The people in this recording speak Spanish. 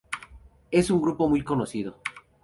Es un grupo muy poco conocido.